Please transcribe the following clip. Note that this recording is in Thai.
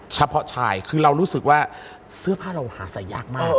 เฉพาะชายคือเรารู้สึกว่าเสื้อผ้าเราหาใส่ยากมาก